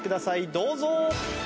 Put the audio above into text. どうぞ！